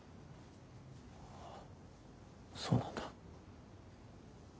ああそうなんだ。